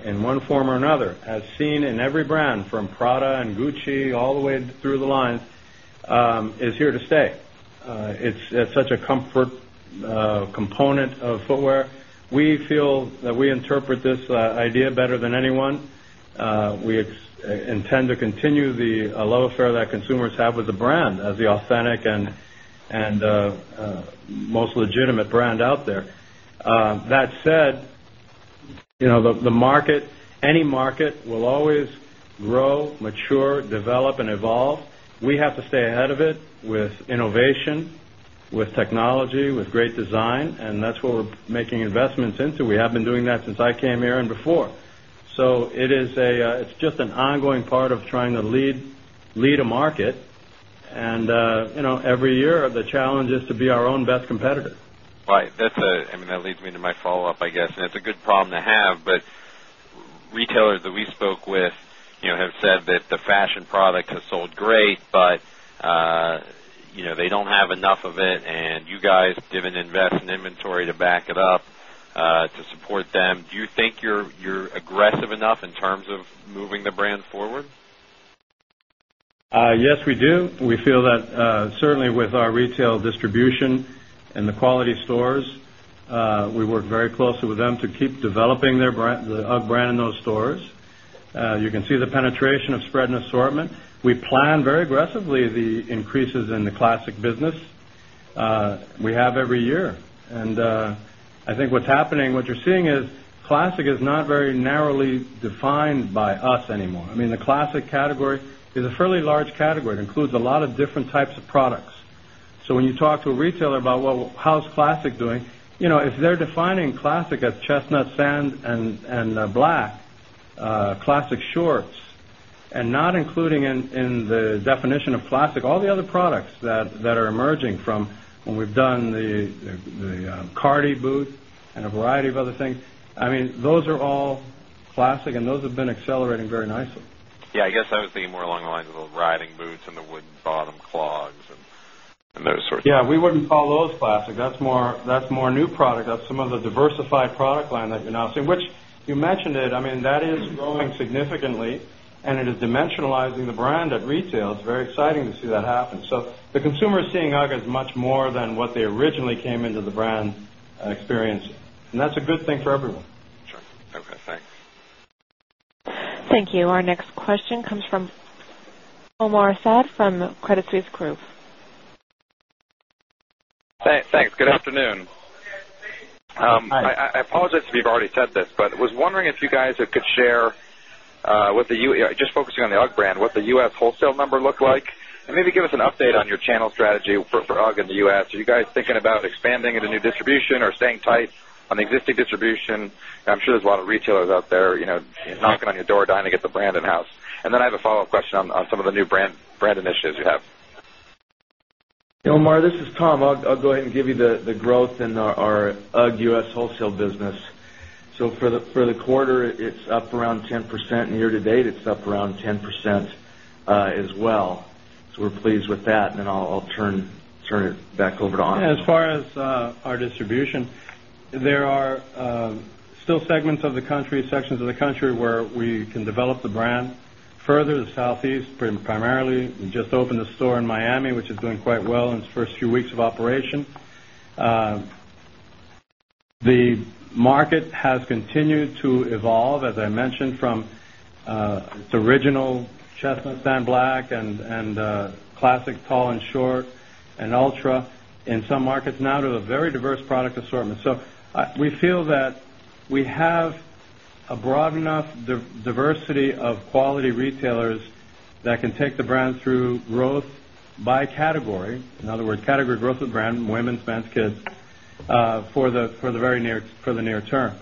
that consumers have with the brand as the authentic and most legitimate brand out there. That said, the market, any market will always grow, mature, develop and evolve. We have to stay ahead of it with innovation, with technology, with great design and that's what we're making investments into. We have been doing that since I came here and before. So it's just an ongoing part of trying to lead a market and every year the challenge is to be our own best competitor. Right. That's a I mean that leads me to my follow-up, I guess, and it's a good problem to have, but retailers that we spoke with have said that the fashion products have sold great, but they don't have enough of it and you guys didn't invest in inventory to back it up to support them. Do you think you're aggressive enough in terms of moving the brand forward? Yes, we do. We feel that certainly with our retail distribution and the quality stores, we work very closely with them to keep developing their brand, the UGG brand in those stores. You can see the penetration of spread and assortment. We plan very aggressively the increases in the classic business we have every year. And I think what's happening, what you're seeing is classic is not very narrowly defined by us anymore. I mean the classic category is a fairly large category. It includes a lot of different types of products. So when you talk to a retailer about how is classic doing, if they're defining classic as chestnut sand and black, classic shorts and not including in the definition of classic, all the other products that are emerging from when we've done the Carty boots and a variety of other things, I mean those are all classic and those have been accelerating very nicely. Yes, I guess I was thinking more along the lines of the riding boots and the wooden bottom clogs and those sorts of things. Yes, we wouldn't follow those classic. That's more new product. That's some of the diversified product line that you're announcing, which you mentioned it, I mean that is growing significantly and it is dimensionalizing the brand at retail. It's very exciting to see that happen. So the consumer is seeing UGG as much more than what they originally came into the brand experience and that's a good thing for everyone. Sure. Okay, thanks. Thank you. Our next question comes from Omar Saad from Credit Suisse Group. Thanks. Good afternoon. Hi. I apologize if you've already said this, but I was wondering if you guys could share with the just focusing on the UGG brand, what the U. S. Wholesale number look like? And maybe give us an update on your channel strategy for UGG in the UGG. Are you guys thinking about expanding into new distribution or staying tight on the existing distribution? I'm sure there's a lot of retailers out there knocking on your door, dining at the brand in house. And then I have a follow-up question on some of the new brand initiatives you have. Omar, this is Tom. I'll go ahead and give you the growth in our UGG U. S. Wholesale business. So for the quarter it's up around 10% year to date it's up around 10% as well. So we're pleased with that and then I'll turn it back over to An. As far as our distribution, there are still sections of the country where we can develop the brand further the Southeast primarily just opened a store in Miami, which is doing quite well in its 1st few weeks of operation. The market has continued to evolve, as I mentioned, from its original chestnut sand black and classic tall and short and ultra in some markets now to a very diverse product assortment. So we feel that we have a broad enough diversity of quality retailers that can take the brand through growth by category. In other words, category growth of brand, women's, men's, kids for the very near term.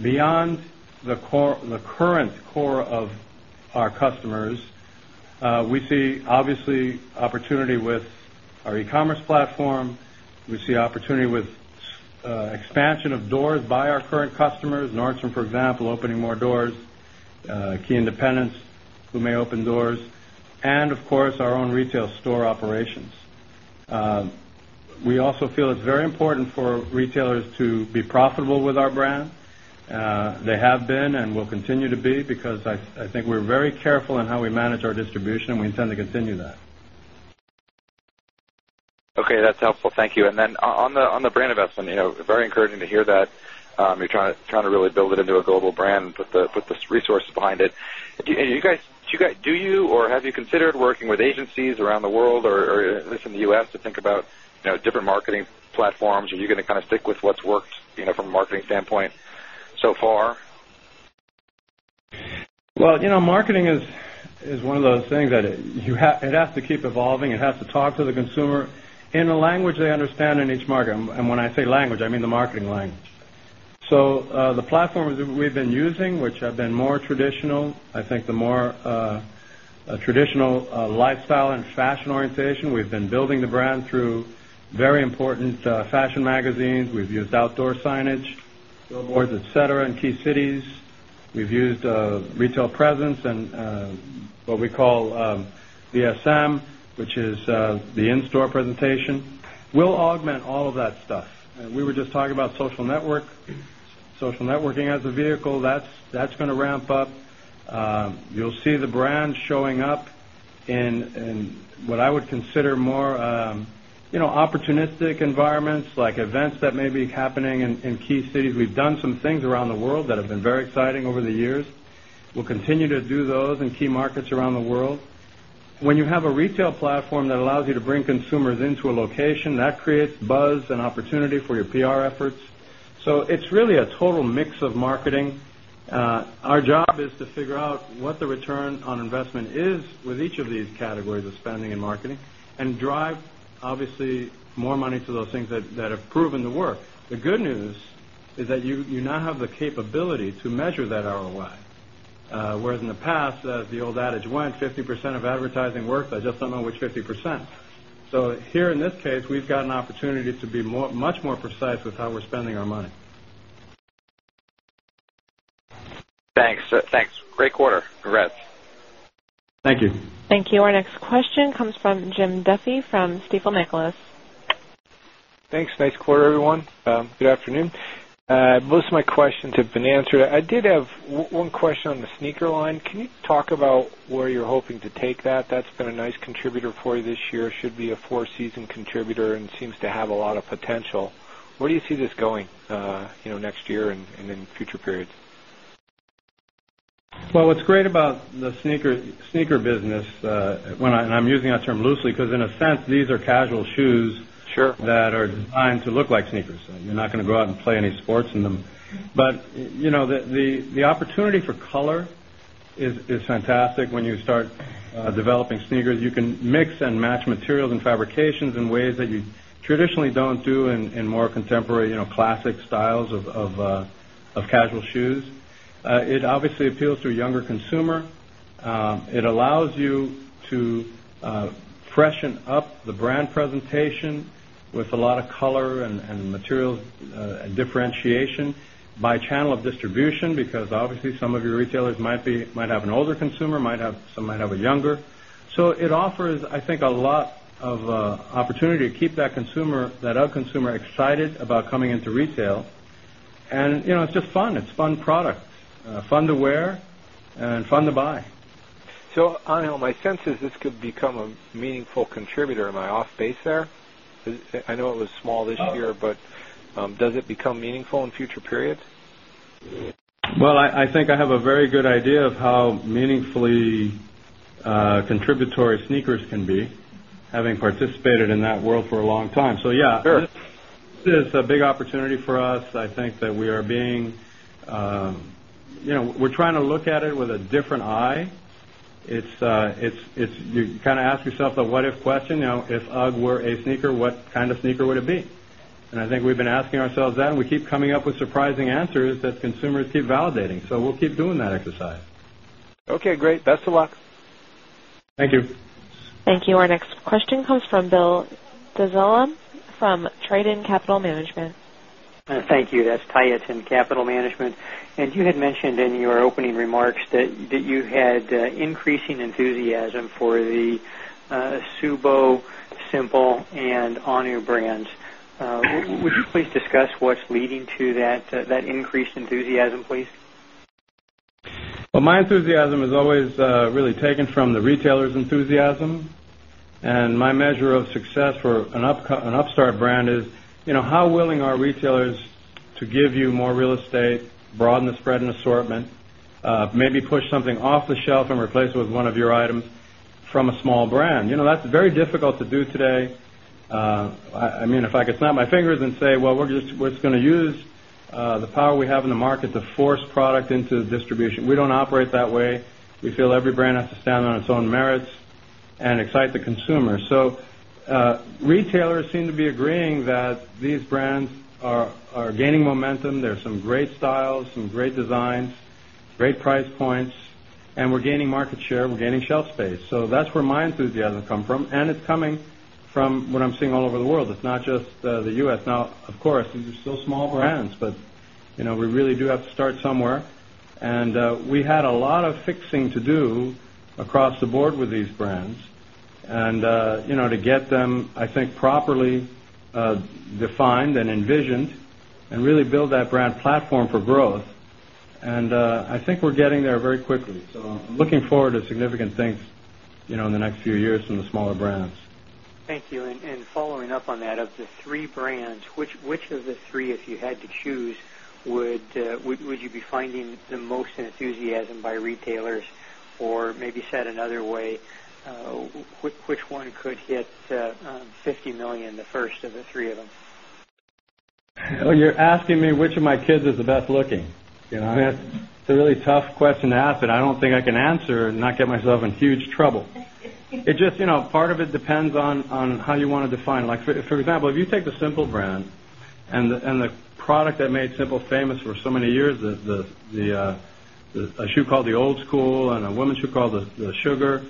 Beyond the current core of our customers, we see obviously opportunity with our e commerce platform. We see opportunity with expansion of doors by our current customers, Nordstrom for example opening more doors, key independents who may open doors and of course our own retail store operations. We also feel it's very important for retailers to be profitable with our brand. They have been and will continue to be because I think we're very careful in how we manage our distribution and we intend to continue that. Okay, that's helpful. Thank you. And then on the brand investment, very encouraging to hear that you're trying to really build it into a global brand, put the resources behind it. Do you or have you considered working with agencies around the world or at least in the U. S. To think about different marketing platforms? Are you going to kind of stick with what's worked from a marketing standpoint so far? Well, marketing is one of those things that it has to keep evolving, it has to talk to the consumer in a language they understand in each market. And when I say language, I mean the marketing language. So, the platforms that we've been using, which have been more traditional, I think the more traditional lifestyle and fashion orientation, we've been building the brand through very important fashion magazines. We've used outdoor signage, billboards, etcetera in key cities. We've used retail presence and what we call DSM, which is the in store presentation. We'll augment all of that stuff. We were just talking about social network, so all of that stuff. We were just talking about social network, social networking as a vehicle, that's going to ramp up. You will see the brand showing up in what I would consider more opportunistic environments like events that may be happening in key cities. We've done some things around the world that have been very exciting over the years. We'll continue to do those in key markets around the world. When you have a retail platform that allows you to bring consumers into a location that creates buzz and opportunity for your PR efforts. So it's really a total mix of marketing. Our job is to figure out what the return on investment is with each of these categories of spending and marketing and drive obviously more money to those things that have proven the work. The good news is that you now have the capability to measure that ROI, whereas in the past, as the old adage went, 50% of advertising work by just something which 50%. So here in this case, we've got an opportunity to be much more precise with how we're spending our money. Thanks. Great quarter. Congrats. Thank you. Thank you. Our next question comes from Jim Duffy from Stifel Nicholas. Most of my questions have been answered. I did have one question on the sneaker line. Can you talk about where you're hoping to take that? That's been a nice contributor for you this year, should be a 4 season contributor and seems to have a lot of potential. Where do you see this going next year and in future periods? Well, what's great about the sneaker business, when I and I'm using that term loosely, because in a sense these are casual shoes that are designed to look like sneakers. You're not going to go out and play any sports in them. But the opportunity for color is fantastic when you start developing sneakers. You can mix and match materials and fabrications in ways that you traditionally don't do in more contemporary classic styles of casual shoes. It obviously appeals to younger consumer. It allows you to it allows you to fresh and up the brand presentation with a lot of color and material differentiation by channel of distribution because obviously some of your retailers might have an older consumer, might have some have a younger. So it offers I think a lot of opportunity to keep that consumer that other consumer excited about coming into retail. And it's just fun. It's fun product, fun to wear and fun to buy. So Anil, my sense is this could become a meaningful contributor. Am I off base there? I know it was small this year, but does it become meaningful in future periods? Well, I think I have a very good idea of how meaningfully contributory sneakers can be having participated in that world for a long time. So, yes, this is a big opportunity for us. I think that we are being we're trying to look at it with a different eye. It's you kind of ask yourself the what if question, if UGG were a sneaker, what kind of sneaker would it be? And I think we've been asking ourselves that and we keep coming up with surprising answers that consumers keep validating. So we'll keep doing that exercise. Okay, great. Best of luck. Thank you. Thank you. Our next question comes from Bill Dezellem from Tradin Capital Management. Thank you. That's Tieton Capital Management. And you had mentioned in your opening remarks that you had increasing enthusiasm for the Subo, Simple and Anu brands. Would you please discuss what's leading to that increased enthusiasm, please? Well, my enthusiasm is always really taken from the retailer's enthusiasm and my measure of success for an Upstart brand is how willing our retailers to give you more real estate, broaden the spread maybe push something off the shelf and replace it with one of your items from a small brand. That's very difficult to do today. I mean, if I could snap my fingers and say, well, we're just we're just going to use the power we have in the market to force product into distribution. We don't operate that way. We feel every brand has to stand on its own merits and excite the consumer. So retailers seem to be agreeing that these brands are gaining momentum. There are some great styles, some great designs, great price points and we're gaining market share, we're gaining shelf space. So that's where my enthusiasm come from and it's coming from what I'm seeing all over the world. It's not just the U. S. Now of course these are still small brands, but we really do have to start somewhere. And we had a lot of fixing to do across the board with these brands and to get them, I think, properly defined and envisioned and really build that brand platform for growth. And I think we're getting there very quickly. So, I'm looking forward to significant things in the next few years from the smaller brands. Thank you. And following up on that, of the 3 brands, which of the 3 if you had to choose would you be finding the most enthusiasm by retailers? Or maybe said another way, which one could hit $50,000,000 the first of the 3 of them? You are asking me which of my kids is the best looking. It's a really tough question to ask, but I don't think I can answer and not get myself in huge trouble. It's just part of it depends on how you want to define. Like for example, if you take the Simple brand and the product that made Simple famous for so many years, the I should call the old school and a woman should call the sugar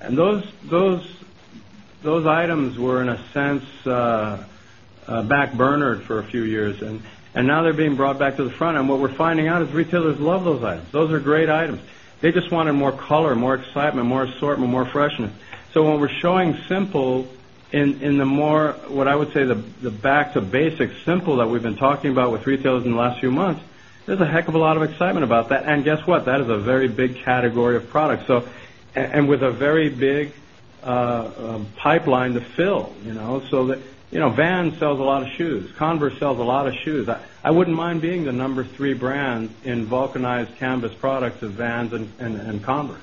and those items were in a sense back burnered for a few items were in a sense back burner for a few years and now they are being brought back to the front and what we are finding out is retailers love those items. Those are great items. They just wanted more color, more excitement, more assortment, more freshness. So when we are showing simple in the more what I would say the back to basics simple that we have been talking about with retailers in the last few months, there is a heck of a lot of excitement about that and guess what that is a very big category of products. So and with a very big pipeline to fill, So Vans sells a lot of shoes, Converse sells a lot of shoes. I wouldn't mind being the number 3 brand in vulcanized canvas products of Vans and Converse.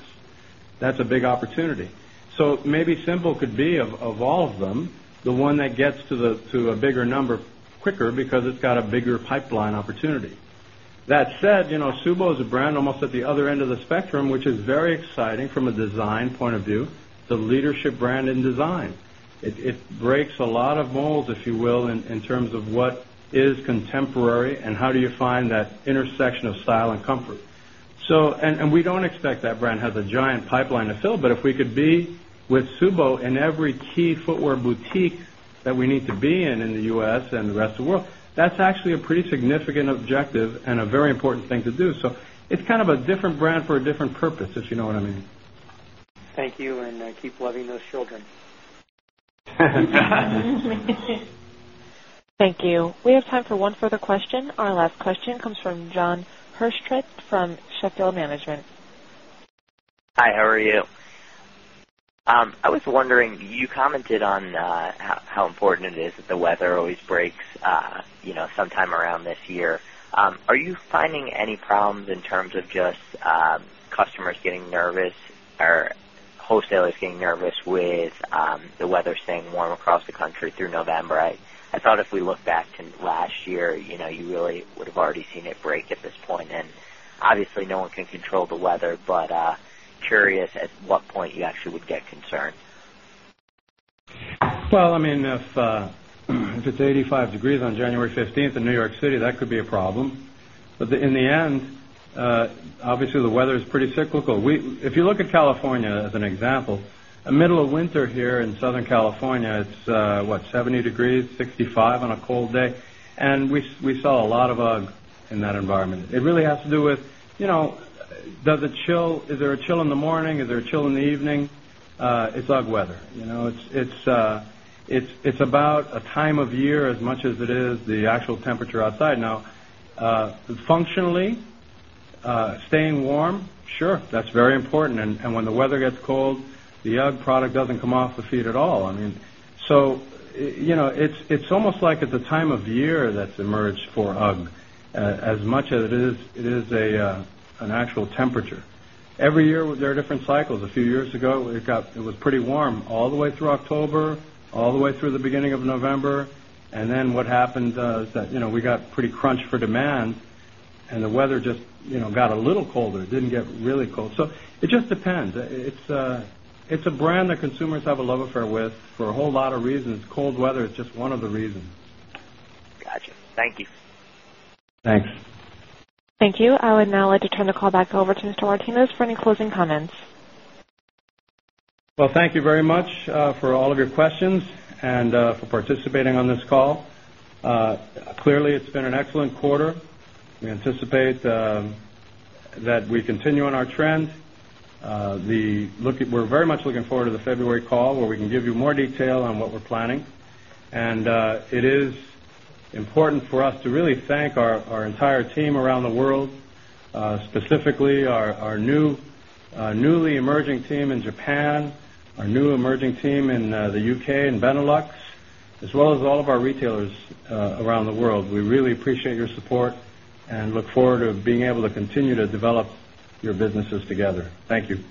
That's a big opportunity. So maybe Simple could be of all of them, the one that gets to a bigger number quicker because it's got a bigger pipeline opportunity. That said, Subo is a brand almost at the other end of the spectrum, which is very exciting from a design point of view, the leadership brand in design. It breaks a lot of molds, if you will, in terms of what is contemporary and how do you find that intersection of style and comfort. So and we don't expect that brand has a giant pipeline to fill, but if we could be with Subo in every key footwear boutique that we need to be in, in the U. S. And the rest of the world, that's actually a pretty significant objective and a very important thing to do. So it's kind of a different brand for a different purpose, if you know what I mean. Thank you and keep loving those children. Thank you. We have time for one further question. Our last question comes from John Hirsch from Sheffield Management. Hi, how are you? I was wondering, you commented on how important it is that the weather always breaks sometime around this year. Are you finding any problems in terms of just customers getting nervous or wholesalers getting nervous with the weather staying warm across the country through November? I thought if we look back to last year, you really would have already seen it break at this point. And obviously, no one can control the weather, but curious at what point you actually would get concerned? Well, I mean, if it's 85 degrees on January 15th in New York City, that could be a problem. But in the end, obviously the weather is pretty cyclical. If you look at California as an example, a middle of winter here in Southern California, it's what 70 degrees, 65 on a cold day and we saw a lot of UGGs in that environment. It really has to do with does it chill, is there a chill in the morning, is there a chill in the evening, it's UGG weather. It's about a time of year as much as it is the actual temperature outside. Now, functionally, staying warm, sure, that's very important. And when the weather gets cold, the UGG product doesn't come off the feet at all. I mean, so it's almost like at the time of the year that's emerged for UGG UGG as much as it is an actual temperature. Every year there are different cycles. A few years ago it got it was pretty warm all the way through October, all the way through the beginning of November and then what happened is that we got pretty crunch for demand and the weather just got a little colder, it didn't get really cold. So it just depends. It's a brand that consumers have a love affair with for a whole lot of reasons. Cold weather is just one of reasons. Got you. Thank you. Thanks. Thank you. I would now like to turn the call back over to Mr. Martinez for any closing comments. Well, thank you very much for all of your questions and for participating on this call. Clearly, it's been an excellent quarter. We anticipate that we continue on our trend. We're very much looking forward to the February call where we can give you more detail on what we're planning. And it is important for us to really thank our entire team around the world, specifically our newly emerging team in Japan, our new emerging team in the UK and Benelux as well as all of our retailers around the world. We really appreciate your support and look forward to being able to continue to develop your businesses together. Thank you.